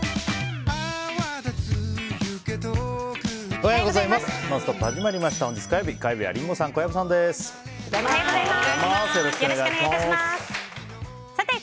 おはようございます。